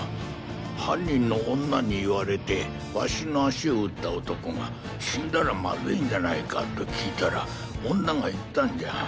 犯人の女に言われてワシの足を撃った男が「死んだらマズイんじゃないか？」と聞いたら女が言ったんじゃ。